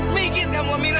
minggir kamu amira